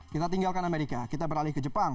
kita tinggalkan amerika kita beralih ke jepang